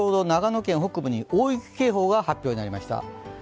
長野県北部に大雪警報が発表になりました。